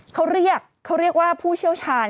เขาเรียกว่าผู้เชี่ยวชาญ